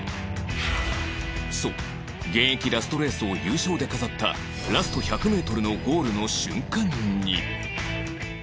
そう現役ラストレースを優勝で飾ったラスト１００メートルのゴールの瞬間に